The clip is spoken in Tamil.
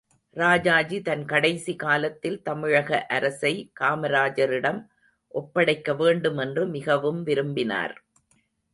ராஜாஜி தன் கடைசி காலத்தில் தமிழக அரசை காமராஜரிடம் ஒப்படைக்க வேண்டுமென்று மிகவும் விரும்பினார்.